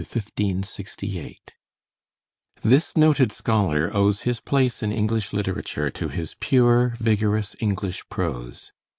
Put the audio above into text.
ROGER ASCHAM (1515 1568) This noted scholar owes his place in English literature to his pure, vigorous English prose.